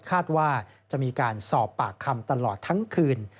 คาดว่าจะมีการสอบปากคำตลอดทั้งคืน